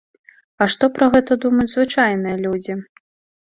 А што пра гэта думаюць звычайныя людзі?